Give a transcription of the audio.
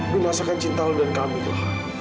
binasakan cinta lo dan kamilah